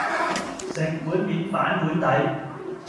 食碗面反碗底